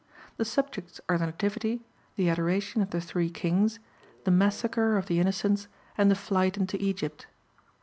The subjects are the Nativity, the Adoration of the Three Kings, the Massacre of the Innocents, and the Flight into Egypt.